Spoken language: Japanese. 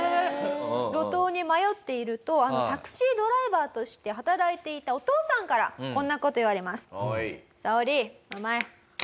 路頭に迷っているとタクシードライバーとして働いていたお父さんからこんな事言われます。